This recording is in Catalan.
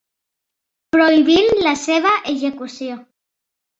Prohibint la seva execució.